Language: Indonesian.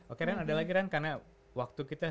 oke kan ada lagi kan karena waktu kita